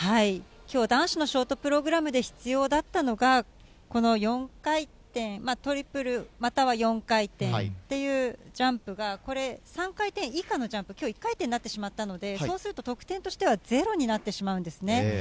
きょう男子のショートプログラムで必要だったのが、この４回転、トリプル、または４回転というジャンプが、これ３回転以下のジャンプ、きょう１回転になってしまったので、そうすると得点としてはゼロになってしまうんですね。